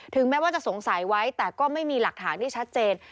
แม้ว่าจะสงสัยไว้แต่ก็ไม่มีหลักฐานที่ชัดเจน